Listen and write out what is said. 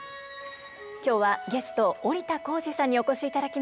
今日はゲスト織田紘二さんにお越しいただきました。